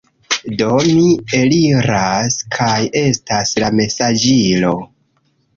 Do, mi eliras kaj estas la mesaĝilo